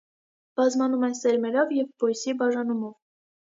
Բազմանում են սերմերով և բոյսի բաժանումով։